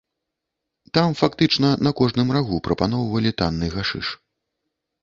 Там фактычна на кожным рагу прапаноўвалі танны гашыш.